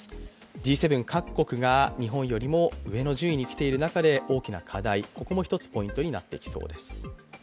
Ｇ７各国が日本よりも上の順位に来ている中で大きな課題、ここも１つポイントになってきそうです。